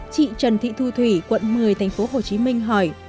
chị trần thị thu thủy quận một mươi tp hcm hỏi